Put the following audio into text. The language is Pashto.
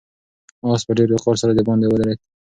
آس په ډېر وقار سره د باندې ودرېد.